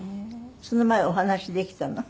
その前はお話しできたの？